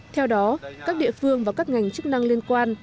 theo đó các địa phương và các ngành chức năng liên quan